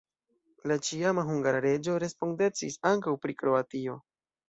La ĉiama hungara reĝo respondecis ankaŭ pri Kroatio.